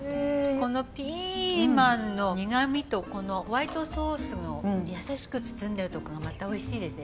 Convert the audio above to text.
このピーマンの苦みとこのホワイトソースの優しく包んでるとこがまたおいしいですね。